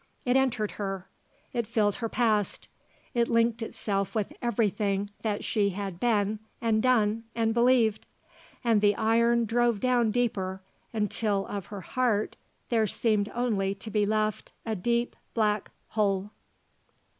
It entered her; it filled her past; it linked itself with everything that she had been and done and believed. And the iron drove down deeper, until of her heart there seemed only to be left a deep black hole.